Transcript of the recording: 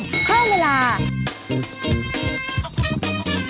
เผ้าใส่ไข่ซบกว่าไข่ไหม้กว่าเดิม